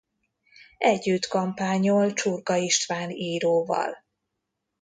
Együtt kampányol Csurka István íróval.